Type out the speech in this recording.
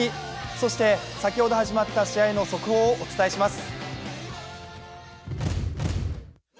そして先ほど始まった試合の速報をお伝えします。